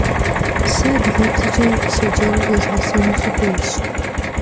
Se adıgebzeç'e sêcenu zezğeş'en sıxuêyş.